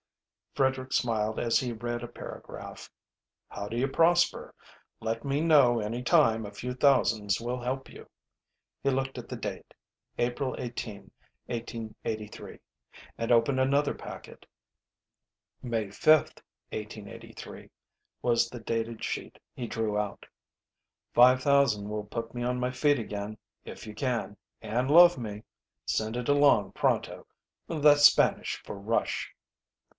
Frederick smiled as he read a paragraph: "How do you prosper? Let me know any time a few thousands will help you." He looked at the date, April 18, 1883, and opened another packet. "May 5th," 1883, was the dated sheet he drew out. "Five thousand will put me on my feet again. If you can, and love me, send it along pronto that's Spanish for rush."